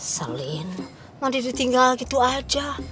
salim nanti ditinggal gitu aja